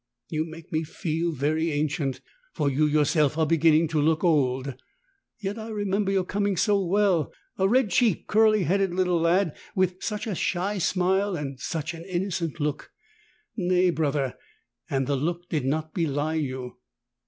You make me feel very ancient, for you yourself are beginning to look old. Yet I remember your coming so well — a red cheeked, curly headed little lad with such a shy smile and such an innocent look. Nay, Brother, and the look did not belie you."